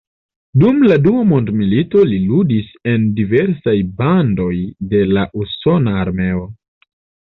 Dum la Dua Mondmilito li ludis en diversaj bandoj de la usona armeo.